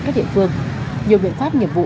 các địa phương nhiều biện pháp nhiệm vụ